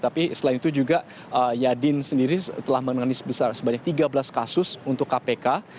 tapi selain itu juga yadin sendiri telah menangani sebesar sebanyak tiga belas kasus untuk kpk